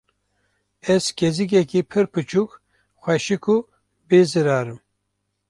Ez kêzikeke pir biçûk, xweşik û bêzirar im.